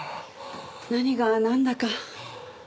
何がなんだか。